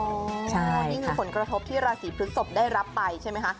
นี่คือผลกระทบที่ราศีพฤศพได้รับไปใช่ไหมคะ